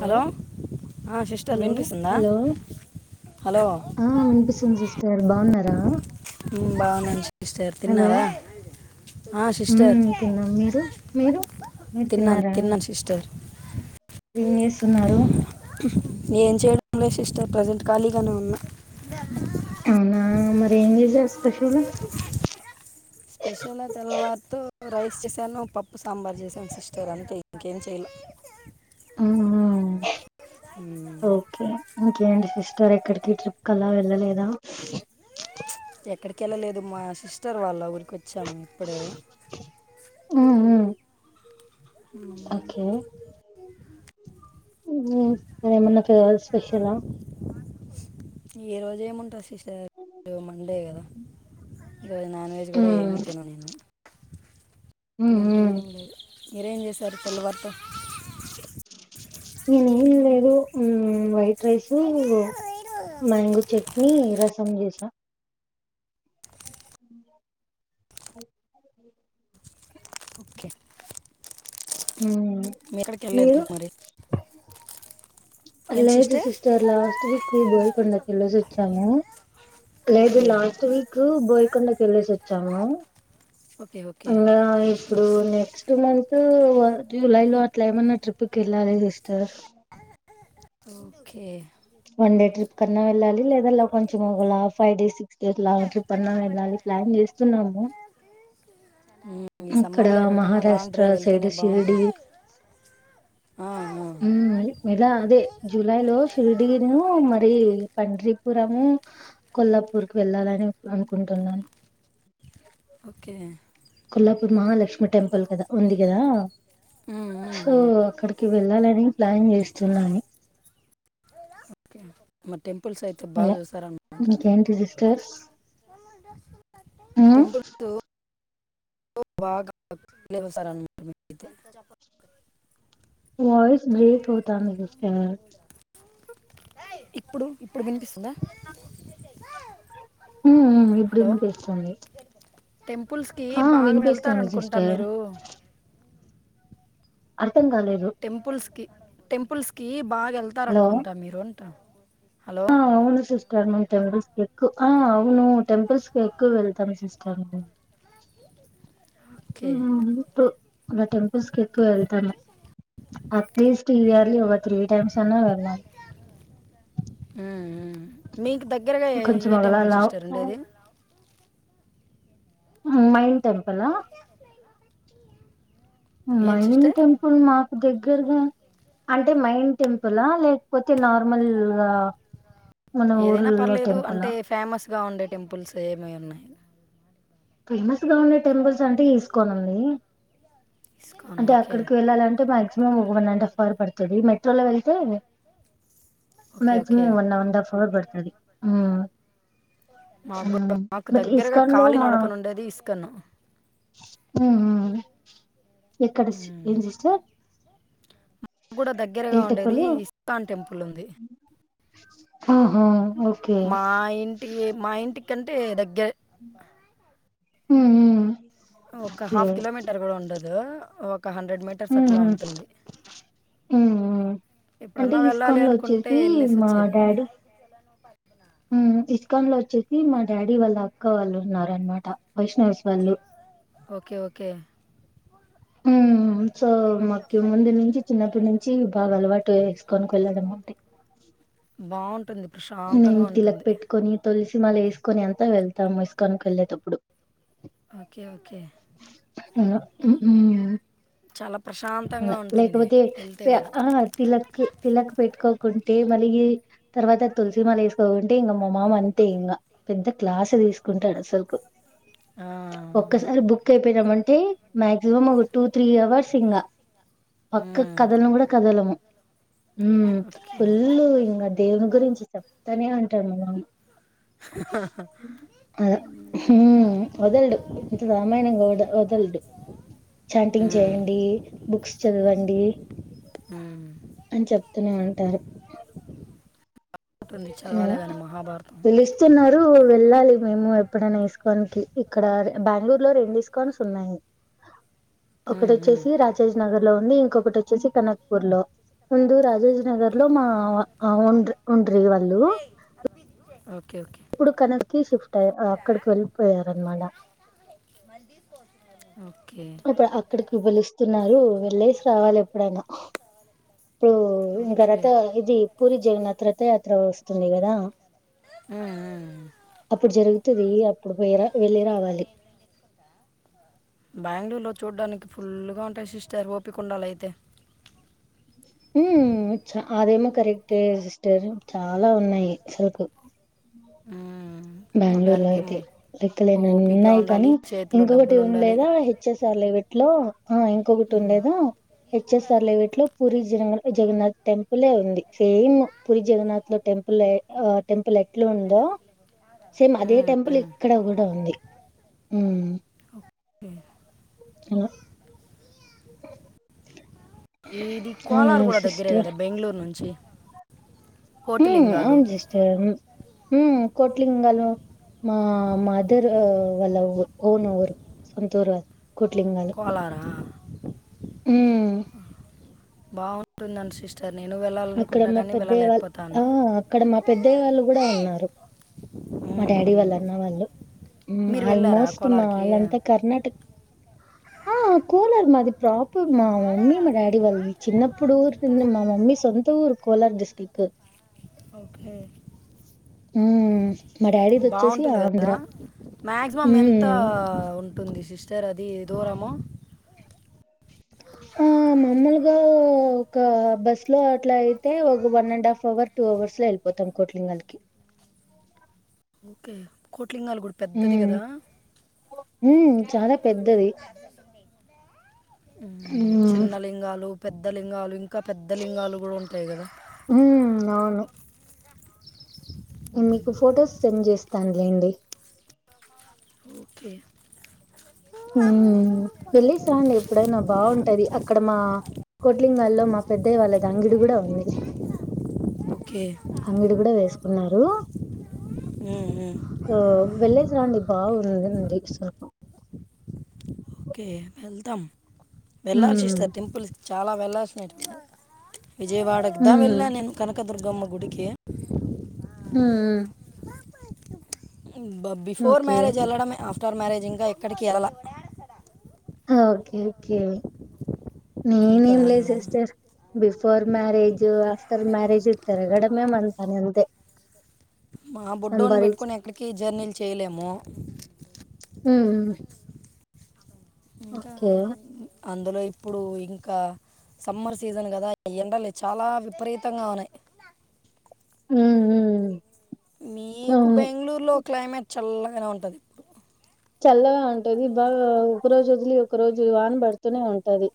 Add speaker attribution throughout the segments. Speaker 1: Hello ఆ sister
Speaker 2: hello
Speaker 1: వినిపిస్తుందా
Speaker 2: hello
Speaker 1: hello,
Speaker 2: రా
Speaker 1: మ్మ బాగున్నాను సి స్టర్ తిన్నారా ఆ
Speaker 2: ఉమ్
Speaker 1: సిస్టర్
Speaker 2: తిన్నాం మీరు మీరు మీరు
Speaker 1: తిన్నాను
Speaker 2: తిన్నారా
Speaker 1: తిన్నాను సిస్టర్.
Speaker 2: ఏం చేస్సున్నారు
Speaker 1: ఏం చేయడంలే సిస్టర్ ప్రజెంట్ ఖాళీ గనే ఉన్నా
Speaker 2: అవునా మరి ఏం చేసారు స్పెషలు
Speaker 1: స్పెషల్ తెల్ వార్ తు రైస్ చేసాను, పప్పు, సాంబార్ చేశాను, సిస్టర్ అంతే ఇంకేం చేయ్యలే.
Speaker 2: ఉమ్ ఉమ్
Speaker 1: హుం
Speaker 2: ఏంటి సిస్టర్ ఎక్కడికి ట్రిప్ కి అలా వెళ్ళలేదా
Speaker 1: ఎక్కడికి వెళ్ళలేదు మా సిస్ సిస్టర్ వాళ్ళ ఊర్ కొచ్చాం ఇప్పుడే
Speaker 2: ఉమ్ ఉమ్
Speaker 1: మ్,
Speaker 2: ఓకే హ్మ్ ఏమన్నా ఫేర్వెల్ స్పెషలా
Speaker 1: ఏ రోజు ఏముంటంది సిస్ స్టర్ మండే కదా ఈరోజు నాన్ వెజ్
Speaker 2: ఉమ్
Speaker 1: కూడా ఏమి తినను.
Speaker 2: ఉమ్
Speaker 1: ఇల్లంటే
Speaker 2: ఉమ్
Speaker 1: ఏం లేదు మీరేం చేశారు తెల్లవారితో
Speaker 2: నేను ఏం లేదు హ్మ్ white rice, mango chutney రస్. కొన్ని చేసినా
Speaker 1: ఓకే మీ ఎక్కడికి వెళ్ళలేదు ట్రిప్ మరి
Speaker 2: లేదు సిస్టర్ లాస్ట్ వీక్ బోయ కొండకి వెళ్ళేసి వచ్చాము
Speaker 1: ఓకే
Speaker 2: కొండకి వెళ్లేసి వచ్చాము
Speaker 1: ఓకే ఓకే
Speaker 2: అలా ఇప్పుడు నెక్స్ టు మంత్ జూలై లో అట్లా ఏమన్నా ట్రిప్కి వెళ్ళాలి sister
Speaker 1: okay
Speaker 2: one day trip కన్నా వెళ్ళాలి లేదా కొంచెం ఒక ఫైవ్ డేస్ సిక్స్ డేస్ లాగ ట్రిప్ అన్నా వెళ్ళాలి ప్లాన్ చేస్తున్నాము
Speaker 1: మ్మ్. ఈ
Speaker 2: ఇక్కడ
Speaker 1: సమ్మర్లో ఎక్కడికన్నా లాంగ్
Speaker 2: మహారాష్ట్ర
Speaker 1: డ్రైవ్
Speaker 2: సైడ్
Speaker 1: వెళ్తేనే
Speaker 2: షిరిడీ
Speaker 1: బాగుంటుంది ఆ, ఆ.
Speaker 2: ఉ ఇలా అదే జూలై లో షిరిడీను మరి పండీపురము కొల్లాపూర్ కి వెళ్ళాలని అనుకుంటున్నాను
Speaker 1: ఓకే
Speaker 2: కొల్లాపూర్ మహాలక్ష్మి టెంపుల్ కదా ఉంది కదా
Speaker 1: మ్మ్, మ్మ్,
Speaker 2: సో
Speaker 1: మ్మ్.
Speaker 2: అక్కడికి వెళ్ళాలని ప్లాన్ చేస్తున్నాను
Speaker 1: మ టెంపుల్స్ అయితే బా
Speaker 2: అలా
Speaker 1: చూసారనమాట
Speaker 2: ఇంకేంటి సిస్టర్స్
Speaker 1: టెంపుల్ లు బాగా చూసారనమాట మీరు అయితే
Speaker 2: వాయిస్ బ్రేక్ అవుతాంది సిస్టర్
Speaker 1: ఇప్పుడు ఇప్పుడు వినిపిస్తుందా
Speaker 2: హు హు ఇప్పుడు వినిపిస్తుంది
Speaker 1: టెంపుల్స్ కి
Speaker 2: ఆ
Speaker 1: బాగా
Speaker 2: వినిపిస్తుంది
Speaker 1: వెళ్తారనుకుంటా
Speaker 2: సిస్టర్
Speaker 1: మీరు
Speaker 2: అర్థం కాలేదు
Speaker 1: టెంపుల్స్ కి టెంపుల్స్ కీ బాగా వెళ్తారు
Speaker 2: హలో
Speaker 1: అనుకుంటా మీరు ట
Speaker 2: ఆ అవును సిస్టర్ మేం టెంపుల్స్ ఎక్కువ ఆ అవును టెంపుల్స్కి ఎక్కువ వెళ్తాం సిస్టర్
Speaker 1: ఓకే
Speaker 2: ఉ ఉ టూ ఇలా టెంపుల్స్ కి ఎక్కువ వెళ్తాను అట్లియాస్ట్ ఇయర్ కి ఒక త్రీ టైమ్స్ అయినా వెళ్ళాలి
Speaker 1: ఉ ఉ మీకు దగ్గరగా
Speaker 2: కొంచెం
Speaker 1: ఏ టెంపుల్స్
Speaker 2: ఒకలా
Speaker 1: సిస్టర్ ఉండేది
Speaker 2: మైన్ టెంపుల్ ఆ
Speaker 1: ఏం
Speaker 2: మైనింగ్
Speaker 1: సిస్టర్
Speaker 2: టెంపుల్ నాక్ దగ్గరగా అంటే మైన్ టెంపులా లేకపోతే నార్ మమల్ మన ఊర్లో టెంపులా
Speaker 1: గా ఉండే టెంపుల్స్ ఏమ ఉన్నాయి
Speaker 2: ఫేమస్ గా ఉండే టెంపుల్స్ అంటే తీసుకోనండి
Speaker 1: ఇస్కాన్
Speaker 2: అంటే
Speaker 1: ఓకే
Speaker 2: అక్కడికి వెళ్ళాలంటే మాక్సిమం ఒక వన్ అండ్ హాఫ్ అవర్ పడుతుంది మె చలా వెళతే
Speaker 1: okay okay
Speaker 2: maximum one and half hour బడుతుది
Speaker 1: మాకు కూడా
Speaker 2: మ ఇస్ కన్ లో మా
Speaker 1: కను
Speaker 2: ఆ అ ఎక్కడ
Speaker 1: ఉమ్.
Speaker 2: ఏం సిస్టర్
Speaker 1: మాకు కూడా
Speaker 2: ఏ
Speaker 1: దగ్గరగా ఉండేది
Speaker 2: టెంపుల్
Speaker 1: ఇస్కాాన్ టెంపుల్ ఉంది
Speaker 2: ఆహా ఓకే
Speaker 1: మా ఇంటి మా ఇంటికి ఎ కంటే దగ్గర
Speaker 2: హ
Speaker 1: ఒక హాఫ్ కిలోమీటర్ కూడా ఉండదు ఒక మీటర్స్ అట్లా ఉంటుంది.
Speaker 2: అంటే
Speaker 1: ఎప్పుడన్నా వెళ్ళాలి
Speaker 2: ఇస్కన్లో
Speaker 1: అనుకుంటే
Speaker 2: వచ్చేసి మా డాడీ
Speaker 1: ప
Speaker 2: ఇస్కాన్ లో వచ్చేసి మా డాడీ వాళ్ళ అక్క వాళ్ళు ఉన్నారనమాట వైష్ణవస్ వాళ్ళు
Speaker 1: ఓకే ఓకే
Speaker 2: హ సో మాకు ముందు నుంచి చిన్నప్పటి నుంచి బాగా అలవాటు టు వేసుకని వెళ్ళడం అంటే
Speaker 1: బాట్
Speaker 2: నిమ్ తిలక్ పెట్టుకని తోలిసి సిని మళ వేసుకొని ఎంత వెళ్తాము ఇసుకనికి వెళ్ళేటప్పుడు
Speaker 1: ఓకే ఓకే
Speaker 2: అ
Speaker 1: చాలా ప్రశాంతంగా
Speaker 2: అ
Speaker 1: ఉంటుంది
Speaker 2: లేకపోతే
Speaker 1: వెళ్తే గూడా.
Speaker 2: తిలక్ తిలక్ పెట్టుకో కుంటే మళ్ళీ తర్వాత తులసి మాల వేసుకోకుంటే ఇంకా మా మామ అంతే ఇంకా పెద్ద క్లాస్ తీసుకుంటాడు అసలుకు
Speaker 1: ఆ!
Speaker 2: ఒక్కసారి బుక్ అయిపోయి అంటే మాక్సిమం ఒక టూ త్రీ అవర్ వసింగా పక్క
Speaker 1: హ్మ్.
Speaker 2: కదలను కూడా కదలము హ ఫుల్ ఇంకా దేవుని గురించి చెప్తనే అంటాడు మనం అదా హ వదల్డు ఎంత మా వదలడు చాంటింగ్
Speaker 1: హ్మ్.
Speaker 2: చేయండి బుక్స్ చదవండి
Speaker 1: హ్మ్.
Speaker 2: అని చెప్తూనే ఉంటారు
Speaker 1: ఉంటుంది చదవాలేగానీ మహాభారతం
Speaker 2: ఇడు వెళ్ళాలి మేము ఎప్పుడైనా ఇస్కాన్ కి ఇక్కడ బెంగళూరు లో రెండు ఇస్కాన్స్ ఉన్నాయి ఒకటి
Speaker 1: హ్మ్. హ్మ్.
Speaker 2: వచ్చేసి రాజేజ్ నగర్ లో ఇంకొకటి వచ్చేసి కనక్పూర్ లో ముందు రాజేజ్ నగర్ లో మా ఓన్డ్రి వాళ్ళు
Speaker 1: ఓకే ఓకే.
Speaker 2: ఇప్పుడు కనక్కి షిఫ్ట్ అయ్య అక్కడికి వెళ్ళిపోయారనమాట
Speaker 1: ఓకే.
Speaker 2: ఇప్పుడు అక్కడికి పిలుస్తున్నారు వెళ్ళేసి రావాలి ఎప్పుడైనా ఇప్పుడు ఇంకా
Speaker 1: ఓకే.
Speaker 2: రత ఇది పూరి జగన్నాథ్ తీద్ర యాత్ర వస్తుంది కదా
Speaker 1: హ్మ్. హ్మ్.
Speaker 2: అప్పుడు జరుగుతది అప్పుడు పోయి రా వెళ్ళి రావాలి
Speaker 1: బెంగళూరులో చూడ్డానికి ఫుల్గా ఉంటాయి సిస్టర్ ఓపిక ఉండాలా అయితే
Speaker 2: హు చ అదేమో కరెక్టే ఏ సిస్టర్ చాలా ఉన్నాయి అసల్క్
Speaker 1: మ్మ్.
Speaker 2: బెంగళూరులో
Speaker 1: చూడ్డానికి
Speaker 2: అయితే లెక్కలేనన్నీ
Speaker 1: ఓపికగా
Speaker 2: ఉన్నాయి
Speaker 1: ఉండాలి
Speaker 2: కానీ
Speaker 1: చేతిలో
Speaker 2: ఇంకొకటి
Speaker 1: డబ్బులు
Speaker 2: ఉ
Speaker 1: ఉండాలి
Speaker 2: లేదా హెచ్ఎస్ర్ అలె వీట్లో ఆ ఇంకొకటి
Speaker 1: మ్మ్.
Speaker 2: ఉండేదా హెచ్ఎస్ఆర్ విట్ లో పూరి జగన్నాథ్ టెంపులే ఉంది సేమ్ పురి జగన్నాథ్ లో టెంపుల్ టెంపుల్ ఎట్లా ఉందో సేమ్ అదే
Speaker 1: మ్మ్.
Speaker 2: టెంపుల్ ఇక్కడ కూడా ఉంది హ
Speaker 1: మ్మ్.
Speaker 2: [inaudible]
Speaker 1: ఇది
Speaker 2: అవునా
Speaker 1: కోలారు కూడా దగ్గరే
Speaker 2: సిస్టర్
Speaker 1: కదా బెంగళూరు నుంచి
Speaker 2: హ
Speaker 1: కోటిలింగాలు
Speaker 2: అవును సిస్టర్ హు కోట్లిలింగలు మా మదర్ వాళ్ళ ఓన్ఊరు సొంతూరు అది
Speaker 1: కోలార
Speaker 2: హు
Speaker 1: బాగుంటుందని సిస్టర్ నేను
Speaker 2: అక్కడ
Speaker 1: వెళ్ళాలనుకుంటా
Speaker 2: మా
Speaker 1: కానీ
Speaker 2: పెద్ద వాళ్ళ
Speaker 1: వెళ్ళలేకపోతా అన్న
Speaker 2: ఆ అక్కడ మా పెద్దయ్య వాళ్ళు కూడా ఉన్నారు మా
Speaker 1: మ్మ్.
Speaker 2: డాడీ
Speaker 1: మ్మ్.
Speaker 2: వాళ్ళు అన్న వాళ్ళు
Speaker 1: మీరు వెళ్ళారా
Speaker 2: ఆల్మోస్ట్ మా
Speaker 1: కోలార్కి
Speaker 2: వాళ్ళంతా కర్ణాటక ఆ కోలరు మాది ప్రాప్ల మా మమ్మీ మా డాడీ వాళ్ళు చిన్నప్పుడు ఊరున్న మా మమ్మీ సొంత త్త ఊరు కోలార్ డిస్ట్రక్ట్
Speaker 1: ఓకే
Speaker 2: మ్మ్ మా డాడీది వచ్చేసి
Speaker 1: బాగుంటుంది కదా
Speaker 2: ఆంధ్ర
Speaker 1: మాక్సిమం ఎంత
Speaker 2: మ్మ్
Speaker 1: ఉంటుంది సిస్టర్ అది దూరము
Speaker 2: ఆ మామూలుగా ఒక బస్ లో అట్లా అయితే ఒక one and half hour two hours లో వెళ్ళిపోతాం కోట్లింగల్కి
Speaker 1: ఓకే కొ లింగాలు కూడా పెద్దది
Speaker 2: మ్మ్
Speaker 1: కదా
Speaker 2: మ్మ్ చాలా పెద్దది మ్మ్
Speaker 1: చిన్న లింగాలు పెద్ద లింగాలు ఇంకా పెద్ద లింగాలు కూడా ఉంటాయి కదా
Speaker 2: ఉ అవును మీకు ఫొటోస్ సెండ్ చేస్తాను స్తాన్లేండి
Speaker 1: ఓకే
Speaker 2: ఉ వెళ్ళిస్త్రాండి ఎప్పుడైనా బాగుంటది అక్కడ మా కోట్లింగాల్లో మా పెద్దయ్య వాళ్ళది అంగడి కూడా ఉంది
Speaker 1: ఓకే
Speaker 2: అంగడి కూడా వేస్త ఉన్నారు
Speaker 1: మ్మ్, మ్మ్.
Speaker 2: ఆ వెళ్ళ తలాండడి బా ఉందిీ విసా
Speaker 1: ఓకే వెల్తమ్ వెళ్ళాల్సి
Speaker 2: ఉమ్
Speaker 1: ఇస్తారు టెంపుల్ చాలా వెళ్ళాల్సిన విజయవాడకిా
Speaker 2: ఉమ్
Speaker 1: వెళ్ళాను నేను కను పక్క దర్గమ్మ గుడికిే
Speaker 2: హ
Speaker 1: బిఫోర్
Speaker 2: ఓకే
Speaker 1: మ్యారేజ్ వెళ్ళడమే ఆఫ్ట లవ్ మ్యారేజ్ ఇంకా ఎక్కడికిరళ
Speaker 2: ఓకే ఓకే
Speaker 1: ఇంకా
Speaker 2: నేనేం లే sister బిఫ before marriage after marriage ఇతర గడమే అంతాన అంత
Speaker 1: మా బొడ్డోని పెట్టుకొని ఎక్కడికి జర్నీలు చేయలేము
Speaker 2: ఉమ్
Speaker 1: ఇంకా
Speaker 2: ఓకే
Speaker 1: అందులో ఇప్పుడు ఇంకా సమ్మర్ సీజన్ కదా ఎండలే చాలా విపరీతంగా ఉన్నాయి
Speaker 2: హ
Speaker 1: మీకు బెంగళూరు లో క్లైమేట్ చల్లగానే ఉంటుంది ఇప్పుడు
Speaker 2: చల్లగా ఉంటుది బాగా ఉరోజు జలి ఒక రోజు వాన పడుతూనే ఉంటది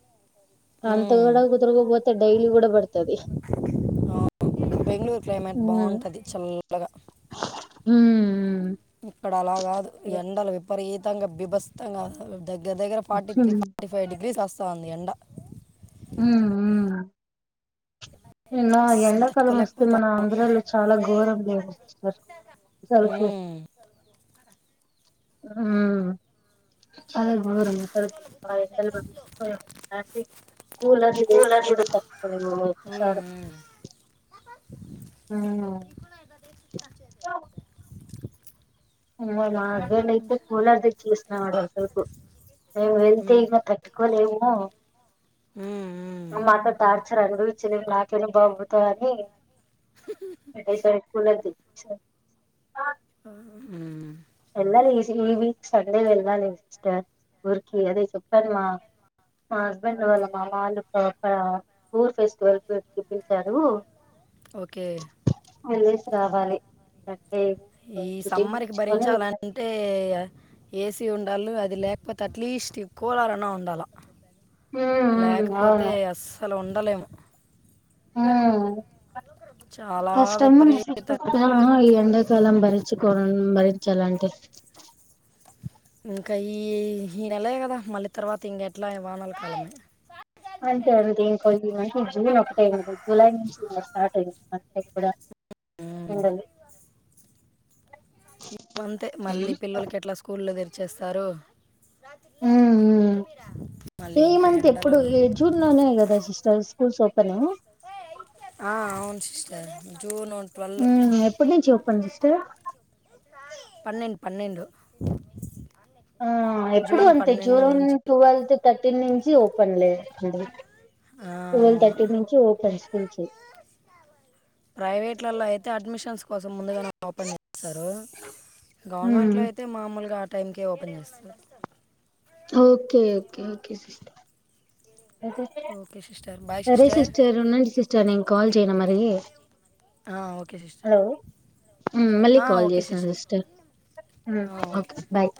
Speaker 2: అంత
Speaker 1: మ్మ్.
Speaker 2: కూడా కుతుర్పోతే డైలీ కూడాడ బర్తది
Speaker 1: అవును. బెంగళూరు
Speaker 2: హ
Speaker 1: క్లైమేట్ బాగుంటుంది చల్లగా
Speaker 2: హ ఆ
Speaker 1: ఇక్కడ అలాగాదు ఎండల విపరీత తంగా బిబస్స్తంగా దగ్గ దగ్గర ఫార్ త్రీ
Speaker 2: హ్మ్
Speaker 1: ఫార్టీ ఫవ్ గ్రీస్స్తా చంది ఎంండ
Speaker 2: న్న
Speaker 1: అస్సలు
Speaker 2: ఎండాకాలం వస్తే
Speaker 1: తట్టుకోలేకపోతా
Speaker 2: మన ఆంధ్రాలో చాలా ఘోరం లేదు సిస్టర్ సలుకి
Speaker 1: మ్మ్.
Speaker 2: ఉహ్ చాలా గోరం అసలు [unintelligible] కూలర్ ఇది వేసుకున్న తాటుకోలేక పోతునం.
Speaker 1: మ్మ్,
Speaker 2: సరే ఉహ్ [unintelligible] మా హస్బెండ్ అయితే కూలర్ తెచి ఆసినాడు కాసేపు. మేము వెళ్తే
Speaker 1: మ్మ్.
Speaker 2: ఇగ తట్టుకోలేమో
Speaker 1: మ్మ్, మ్మ్.
Speaker 2: మాక్క తాడ్ అసలు అనుభవించింది నాకేమో బా అవుతా అని ఆ [unintelligible]
Speaker 1: హమ్
Speaker 2: వెళ్ళాలి ఈ వీక్ సండే వెళ్ళాలి సిస్టర్ ఊరికి అదే చెప్పాను, మా మా హస్బెండ్ వాళ్ళ మా వాళ్లు ఊరు ఫెస్టివల్కి పిలిపించాడు
Speaker 1: ఓకే
Speaker 2: వెళ్ళేసి రావాలి ఏ [unintelligible]
Speaker 1: చాలా అంటే ఏసీ ఉన్ డల్ అది లేకపోతే అట్లీస్ట్ కోలాలన్నా ఉండాలి.
Speaker 2: ఉమ్
Speaker 1: లేకపోతే
Speaker 2: అవును
Speaker 1: అసలు ఉన్ ఉండలేము
Speaker 2: ఉహ్
Speaker 1: చాలా
Speaker 2: కష్టం
Speaker 1: విపరీత
Speaker 2: [unintelligible] హహ లేదండి చలంబరి చికోరణ్ భరించాలంటే
Speaker 1: ఇంకా ఈ ఈ ఈ నెల కదా మళ్ళీ తర్వాత ఇంకెట్లా వానాల కాలమే
Speaker 2: అంతే అంతే [unintelligible] జూన్ ఒకటే జులై నుంచి స్టార్ట్ అయింది అ కూడా
Speaker 1: ఉమ్.
Speaker 2: ఎండలు
Speaker 1: అంతే మళ్ళీ పిల్లలకి ఎట్లా స్కూల్ల్లో తెర్ చేస్తారు
Speaker 2: హ్మ్మ్
Speaker 1: మళ్ళీ
Speaker 2: ఈ
Speaker 1: ఇంకా
Speaker 2: మంత్ ఎప్పుడు
Speaker 1: ఎండలు
Speaker 2: ఏ జూన్ లోనే కదా సిస్టర్ స్కూల్స్ ఓపెన్
Speaker 1: ఆ, [unintelligible] జూన్ ట్వెల్వ్
Speaker 2: ఆ సిస్టర్
Speaker 1: పన్నెండు పన్నెండు
Speaker 2: ఆ ఎప్పుడు
Speaker 1: జూన్
Speaker 2: అంతే
Speaker 1: పన్నెండు
Speaker 2: జూన్
Speaker 1: నుంచి
Speaker 2: ట్వెల్వ్ థర్టీన్ నుంచి ఓపెన్ లే ఏంటి
Speaker 1: ఆ,
Speaker 2: ట్వెల్వ్ థర్టీన్
Speaker 1: అవును.
Speaker 2: నుంచి ఓపెన్స్ కూల్చి
Speaker 1: ప్రైవేట్లలో అయితే అడ్మిషన్స్ కోసం ముందుగానే ఓపెన్ [inaudible]
Speaker 2: ఉమ్
Speaker 1: గవర్నమెంట్లో అయితే మామూల్గా టైమ్కే ఓపెన్ చేస్తరు.
Speaker 2: Okay okay okay sister
Speaker 1: okay sister bye
Speaker 2: సరే సిస్టర్ ఉన్నండి సిస్టర్ నేన్ కాల్ చేయనా మ ఏ
Speaker 1: ఓకే సిస్టర్
Speaker 2: హలో మ్ మళ్ళీ కాల్ చేస్తాను సిస్టర్ మ్ ఓకే బాయ్